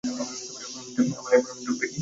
আমার অ্যাপয়েন্টমেন্ট হবে কী?